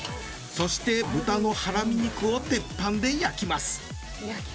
そして豚のハラミ肉を鉄板で焼きます。